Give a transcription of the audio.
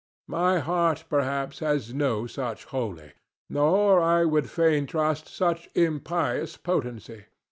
My heart, perhaps, has no such holy, nor, I would fain trust, such impious, potency.